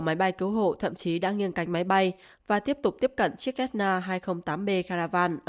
máy bay cứu hộ thậm chí đã nghiêng cánh máy bay và tiếp tục tiếp cận chiếc kessler hai trăm linh tám b caravale